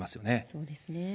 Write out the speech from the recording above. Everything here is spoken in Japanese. そうですね。